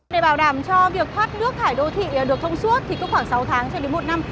để bảo đảm cho việc thoát nước thải đô thị được thông suốt thì cứ khoảng sáu tháng cho đến một năm